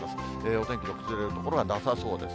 お天気の崩れる所はなさそうです。